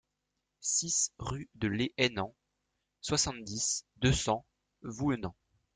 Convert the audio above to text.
six rue de les Aynans, soixante-dix, deux cents, Vouhenans